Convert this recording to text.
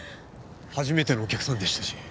初めてのお客さんでしたし